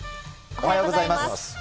おはようございます。